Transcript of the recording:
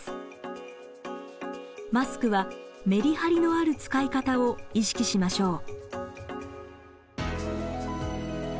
マスクはメリハリのある使い方を意識しましょう。